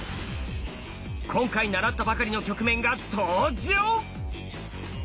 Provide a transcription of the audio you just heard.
今回習ったばかりの局面が登場！